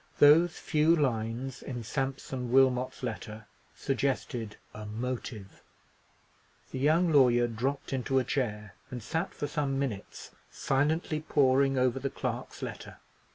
Those few lines in Sampson Wilmot's letter suggested a motive. The young lawyer dropped into a chair, and sat for some minutes silently poring over the clerk's letter.